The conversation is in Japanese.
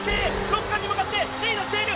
６冠に向かってリードしている！